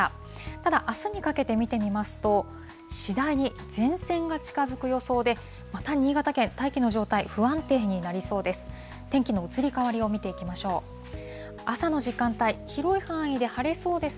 ただあすにかけて見てみますと、次第に前線が近づく予想で、また新潟県、大気の状態、不安定になりそうです。